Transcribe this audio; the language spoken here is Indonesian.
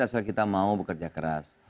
asal kita mau bekerja keras